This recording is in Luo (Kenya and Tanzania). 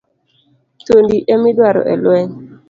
Thuondi e midwaro e lweny.